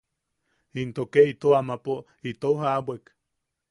Into ke ito amapo itou ja’abwek.